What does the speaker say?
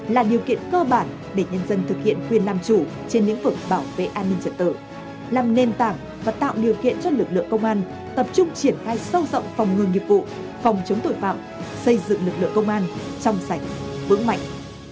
lực lượng phong trào toàn dân bảo vệ an ninh trật tở làm nền tảng và tạo điều kiện cho lực lượng công an tập trung triển khai sâu rộng phòng ngừng nghiệp vụ phòng chống tội phạm xây dựng lực lượng công an trong sạch vững mạnh